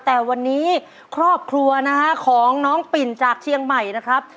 แต่วันนี้ครอบครัวนะฮะของน้องปิ่นจากเชียงใหม่นะครับ